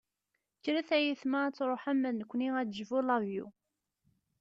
Kkret ay ayetma ad truḥem, ma d nekkni ad d-tejbu lavyu.